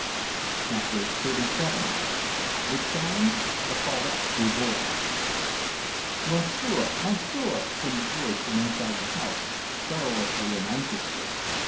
CHAPTER XXXVII. THE CHALLENGE OF PAULETTE DUBOIS "Monsieur, Monsieur!" came the voice from inside the house, querulously and anxiously.